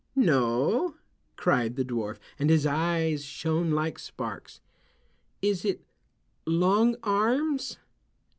"No," cried the dwarf and his eyes shone like sparks. "Is it Long Arms?"